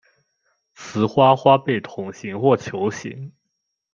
雌花花被筒形或球形。